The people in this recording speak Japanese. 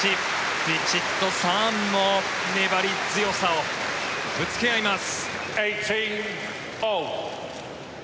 ヴィチットサーンも粘り強さをぶつけ合います。